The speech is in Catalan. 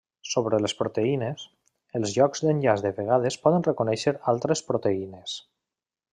Sobre les proteïnes, els llocs d'enllaç de vegades poden reconèixer altres proteïnes.